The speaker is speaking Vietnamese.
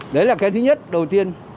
đấy là cái thứ nhất đầu tiên